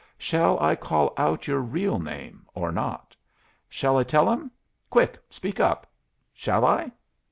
Shall I call out your real name or not? Shall I tell them? Quick, speak up; shall I?"